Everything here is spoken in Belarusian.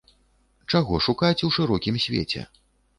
Чаго шукаць у шырокім свеце?